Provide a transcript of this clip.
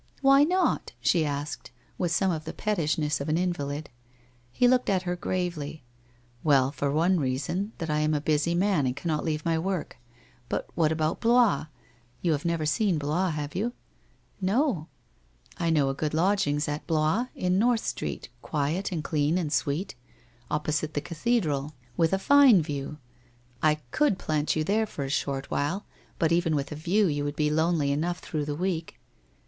' Why not?' she asked, with some of the pettishness of an invalid. He looked at her gravely. ' Weil, for one reason, that I am a busy man and cannot leave my work. But what about Blois? You have never seen Blois, have you ?' 'No/ ' 1 know of good lodgings at Blois, in North Street, quiet, and clean, and sweet. Opposite the cathedral, with 17 258 WHITE ROSE OP WEARY LEAF a fine view. I could plant you there for a short while, but even with a view, you would be lonely enough through the week.'